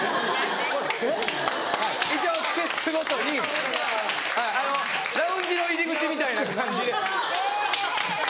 ・何かおもしろい・ラウンジの入り口みたいな感じで。